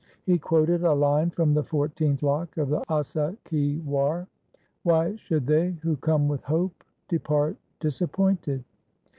He quoted a line from the fourteenth slok of the Asa ki War, Why should they who come with hope depart dis appointed